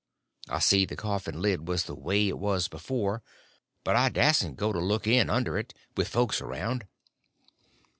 I see the coffin lid was the way it was before, but I dasn't go to look in under it, with folks around.